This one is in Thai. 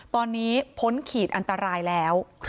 ตอนนี้พ้นขีดอันตรายแล้ว